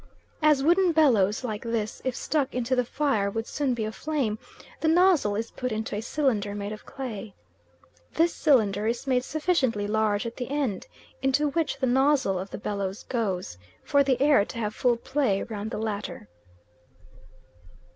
As wooden bellows like this if stuck into the fire would soon be aflame, the nozzle is put into a cylinder made of clay. This cylinder is made sufficiently large at the end, into which the nozzle of the bellows goes, for the air to have full play round the latter.